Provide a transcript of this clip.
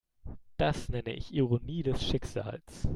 Das nenne ich Ironie des Schicksals.